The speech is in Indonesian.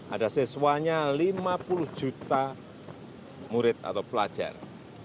ada siswanya lima puluh juta murid atau pelajar